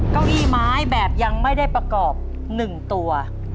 เก้าอี้ไม้แบบยังไม่ได้ประกอบ๑ตัว